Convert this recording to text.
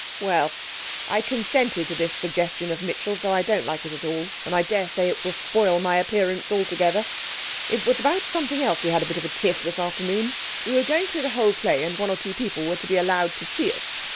'Well, I consented to this suggestion of Mitchell's, though I don't like it at all, and I daresay it will spoil my appearance altogether. It was about something else we had a bit of a tiff this afternoon. We were going through the whole play, and one or two people were to be allowed to see us.